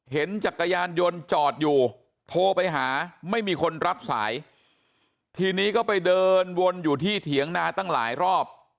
จักรยานยนต์จอดอยู่โทรไปหาไม่มีคนรับสายทีนี้ก็ไปเดินวนอยู่ที่เถียงนาตั้งหลายรอบ